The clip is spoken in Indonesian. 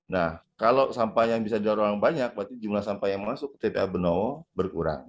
nah kalau sampah yang bisa didorong banyak berarti jumlah sampah yang masuk ke tpa benowo berkurang